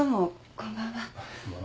こんばんは。